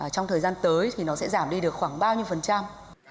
trong thời gian tới thì nó sẽ giảm đi được khoảng bao nhiêu phần trăm